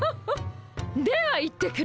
では行ってくる。